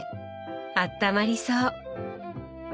あったまりそう！